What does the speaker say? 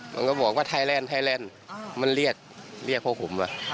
มันก็บอกว่าไทแลนด์มันเรียกพวกผม